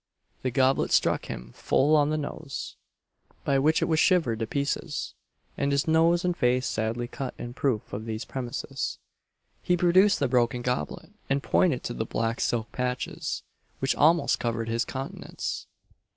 The goblet struck him full on the nose, by which it was shivered to pieces, and his nose and face sadly cut. In proof of these premises, he produced the broken goblet, and pointed to the black silk patches, which almost covered his countenance.